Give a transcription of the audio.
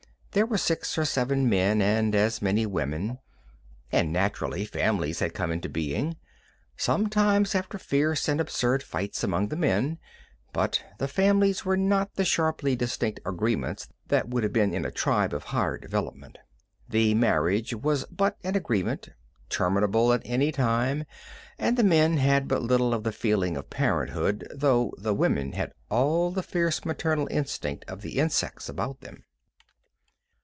There were six or seven men and as many women, and naturally families had come into being sometimes after fierce and absurd fights among the men but the families were not the sharply distinct agreements they would have been in a tribe of higher development. The marriage was but an agreement, terminable at any time, and the men had but little of the feeling of parenthood, though the women had all the fierce maternal instinct of the insects about them.